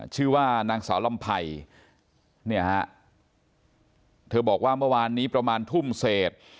ชื่อว่านางสาวลำไพรเนี่ยฮะเธอบอกว่าเมื่อวานนี้ประมาณทุ่มเศษ